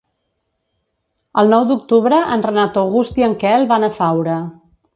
El nou d'octubre en Renat August i en Quel van a Faura.